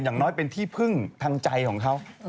อย่างน้อยเป็นที่พึ่งทางใจของเขา